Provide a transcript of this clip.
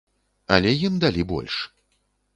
Але ім далі больш.